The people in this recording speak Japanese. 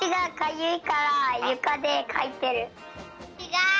ちがう。